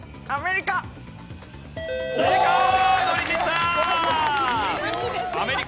アメリカか？